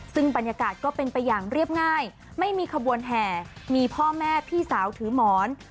ซึ่งบรรยากาศก็เป็นไปอย่างเรียบง่ายไม่มีขบวนแห่มีพ่อแม่พี่สาวถือหมอน